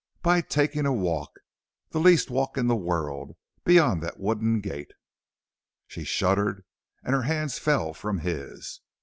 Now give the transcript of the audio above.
"By taking a walk, the least walk in the world, beyond that wooden gate." She shuddered and her hands fell from his.